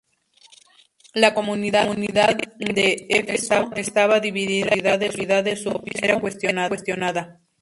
La comunidad de Éfeso estaba dividida y la autoridad de su obispo era cuestionada.